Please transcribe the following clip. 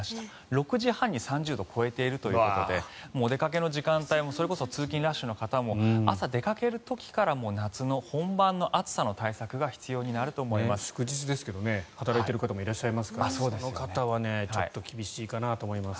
６時半に３０度を超えているということでもう、お出かけの時間帯もそれこそ通勤ラッシュの方も朝、出かける時から夏本番の暑さ対策が祝日ですけどね働いている方もいらっしゃいますから、その方はちょっと厳しいかなと思います。